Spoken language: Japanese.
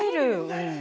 うん。